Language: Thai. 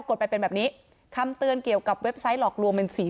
ดไปเป็นแบบนี้คำเตือนเกี่ยวกับเว็บไซต์หลอกลวงเป็นสี